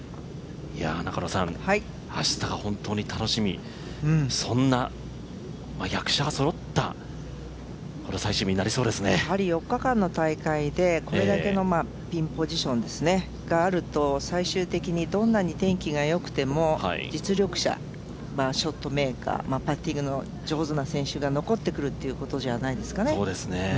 明日が本当に楽しみ、そんな役者がそろった４日間の大会でこれだけのピンポジションがあると、最終的にどんなに天気がよくても実力者、ショットメーカー、パッティングの上手な選手が残ってくるということじゃないですかね。